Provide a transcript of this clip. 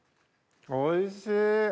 おいしい。